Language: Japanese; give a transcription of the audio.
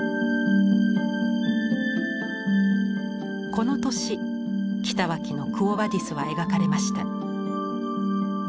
この年北脇の「クォ・ヴァディス」は描かれました。